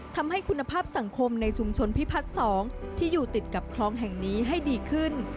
ทำให้คุณภาพสังคมในชุมชนพิพัฒน์๒ที่อยู่ติดกับคลองแห่งนี้ให้ดีขึ้น